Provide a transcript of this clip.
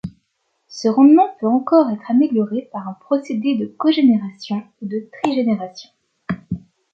Ce rendement peut encore être amélioré par un procédé de cogénération ou de trigénération.